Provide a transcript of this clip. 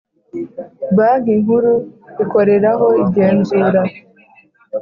Banki Nkuru ikoreraho igenzura